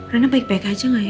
rena baik baik aja gak ya